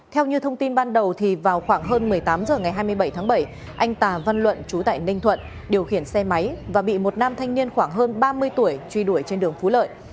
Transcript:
theo như thông tin ban đầu vào khoảng hơn một mươi tám h ngày hai mươi bảy tháng bảy anh tà văn luận chú tại ninh thuận điều khiển xe máy và bị một nam thanh niên khoảng hơn ba mươi tuổi truy đuổi trên đường phú lợi